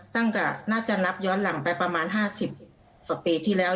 ตั้งแต่น่าจะนับย้อนหลังไปประมาณ๕๐กว่าปีที่แล้ว